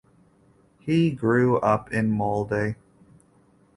He grew up in Molde.